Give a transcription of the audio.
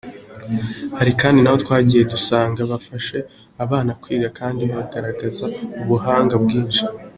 Hari kandi n’aho twagiye dusanga bafasha abana kwiga kandi bagaragaza ubuhanga bwinshi.